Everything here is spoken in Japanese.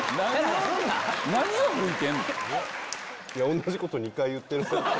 同じこと２回言ってるって。